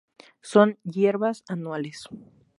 Son hierbas anuales.